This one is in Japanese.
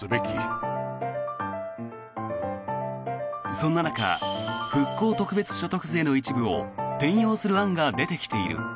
そんな中復興特別所得税の一部を転用する案が出てきている。